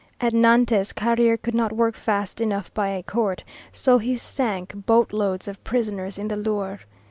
At Nantes, Carrier could not work fast enough by a court, so he sank boat loads of prisoners in the Loire.